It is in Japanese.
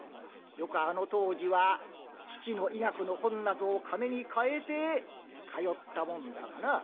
よくあの当時は父の医学の本なぞを金に換えて通ったもんだがな。